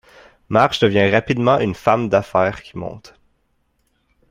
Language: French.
Marge devient rapidement une femme-d'affaires qui monte.